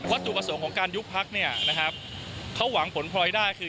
วัตถุประสงค์ของการยุคภักดิ์เขาหวังผลพลอยได้คือ